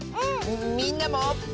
みんなも。